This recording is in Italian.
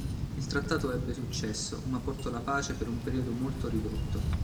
Il trattato ebbe successo, ma portò la pace per un periodo molto ridotto.